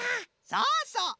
そうそう。